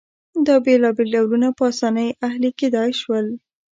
دا بېلابېل ډولونه په اسانۍ اهلي کېدای شول